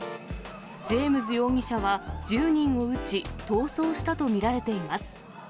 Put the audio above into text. ジェームズ容疑者は１０人を撃ち、逃走したと見られています。